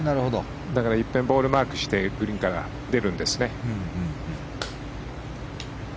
だからいっぺんボールをマークしてグリーンから出るんですね。